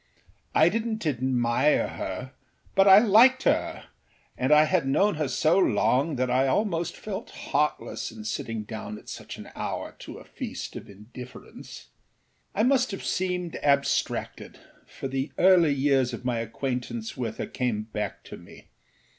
I didnât admire her, but I liked her, and I had known her so long that I almost felt heartless in sitting down at such an hour to a feast of indifference. I must have seemed abstracted, for the early years of my acquaintance with her came back to me.